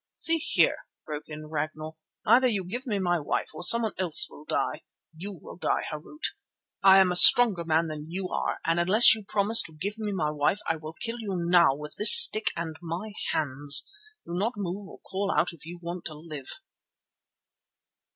"See here," broke in Ragnall. "Either you give me my wife or someone else will die. You will die, Harût. I am a stronger man than you are and unless you promise to give me my wife I will kill you now with this stick and my hands. Do not move or call out if you want to live."